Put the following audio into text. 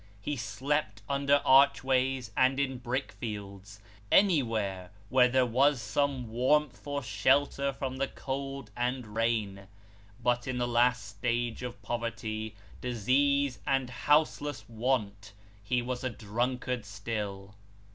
He slept under archways, and in brickfields anywhere, where there was some warmth or shelter from the cold and rain. But in the last stage of poverty, disease, and houseless want, he was a drunkard still.